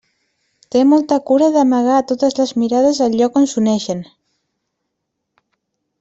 Té molta cura d'amagar a totes les mirades el lloc on s'uneixen.